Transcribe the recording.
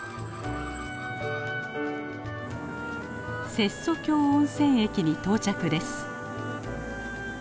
接岨峡温泉駅に到着です。